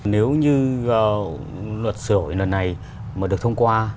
nếu như luật sửa đổi lần này mà được thông qua